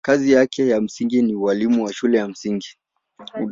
Kazi yake ya msingi ni ualimu wa shule ya msingi.